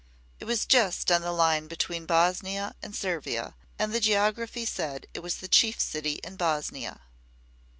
It was just on the line between Bosnia and Servia and the geography said it was the chief city in Bosnia.